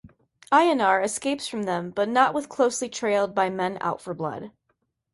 Ayyanar escapes from them but not with closely trailed by men out for blood.